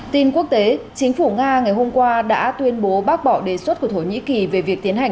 tin quốc tế chính phủ nga ngày hôm qua đã tuyên bố bác bỏ đề xuất của thổ nhĩ kỳ về việc tiến hành